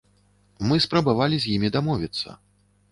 Мы спрабавалі з імі дамовіцца.